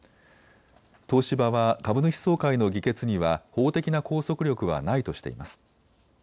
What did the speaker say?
東芝は株主総会の議決には法的な拘束力はないとしています。